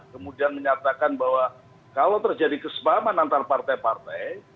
kemudian menyatakan bahwa kalau terjadi kesepahaman antar partai partai